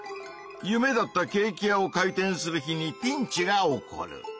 夢だったケーキ屋を開店する日にピンチが起こる！